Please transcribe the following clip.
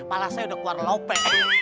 pala saya udah keluar lope